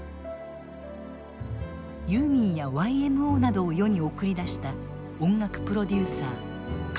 ユーミンやＹＭＯなどを世に送り出した音楽プロデューサー川添象郎氏。